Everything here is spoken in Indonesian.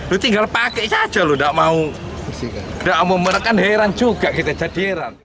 lu tinggal pakai saja loh tidak mau tidak mau merekan heran juga kita jadi heran